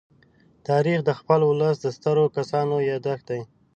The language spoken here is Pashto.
تاریخ د خپل ولس د سترو کسانو يادښت دی.